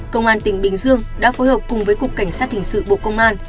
công an tỉnh bình dương đã phối hợp cùng với cục cảnh sát hình sự bộ công an